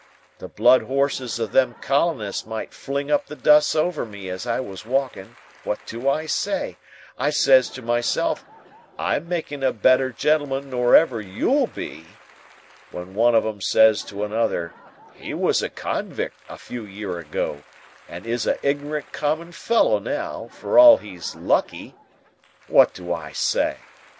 The blood horses of them colonists might fling up the dust over me as I was walking; what do I say? I says to myself, 'I'm making a better gentleman nor ever you'll be!' When one of 'em says to another, 'He was a convict, a few year ago, and is a ignorant common fellow now, for all he's lucky,' what do I say?